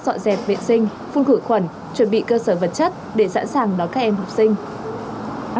dọn dẹp vệ sinh phun khử khuẩn chuẩn bị cơ sở vật chất để sẵn sàng đón các em học sinh